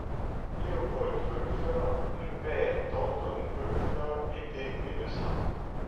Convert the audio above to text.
Leopold Wölfer, le père d'Anton Wölfer, était médecin.